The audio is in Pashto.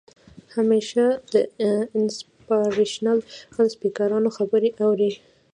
همېشه د انسپارېشنل سپيکرانو خبرې اورئ